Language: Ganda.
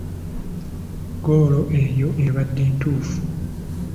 Ggoolo eyo ebadde ntuufu.